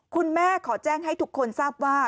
คุณแม่ขอแจ้งให้ทุกคนทราบว่า